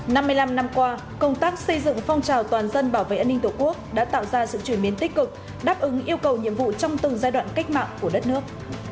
năm mươi năm năm qua công tác xây dựng phong trào toàn dân bảo vệ an ninh tổ quốc đã tạo ra sự chuyển biến tích cực đáp ứng yêu cầu nhiệm vụ trong từng giai đoạn cách mạng của đất nước